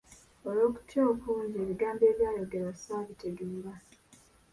Olw’okutya okungi, ebigambo ebyayogerwa saabitegeera.